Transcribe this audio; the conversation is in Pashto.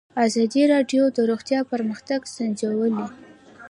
ازادي راډیو د روغتیا پرمختګ سنجولی.